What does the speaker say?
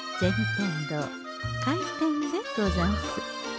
天堂開店でござんす。